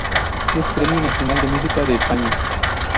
Es Premio Nacional de Música de España.